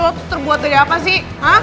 kalau terbuat dari apa sih